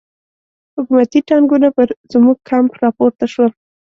حکومتي ټانګونه پر زموږ کمپ را پورته شول.